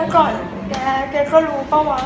แกก็รู้ปะวะ